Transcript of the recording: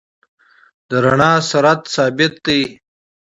د رڼا سرعت ثابت دی.